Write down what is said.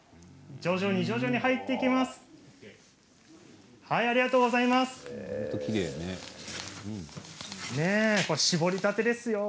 徐々に徐々に入っていきます。